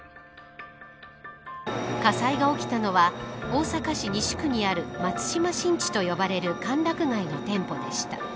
火災が起きたのは大阪市西区にある松島新地と呼ばれる歓楽街の店舗でした。